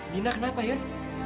dina kenapa yun